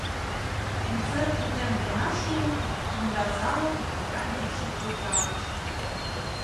Концерт пытен гына шуо, кумда залым баян йӱк шергылтарыш.